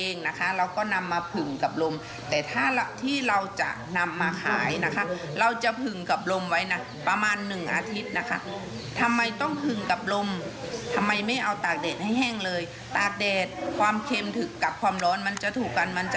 นี่ทุกอย่างมีคัตลับ